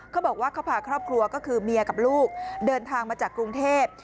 เขาบอกว่าเขาพาครอบครัวก็คือเมียกับลูกเดินทางมาจากกรุงเทพ